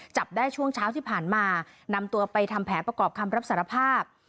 จับได้ช่วงเช้าที่ผ่านมานำตัวไปทำแผนประกอบคำรับสารภาพ